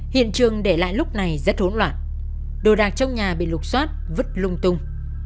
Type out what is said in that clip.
hiện trường để lại lúc này rất hỗn loạn đồ đạc trong nhà bị lục xoát vứt lung tung